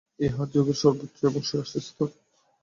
ইহা যোগের সর্বোচ্চ এবং শেষ স্তর।